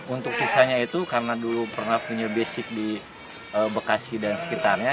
untuk sisanya itu karena dulu pernah punya basic di bekasi dan sekitarnya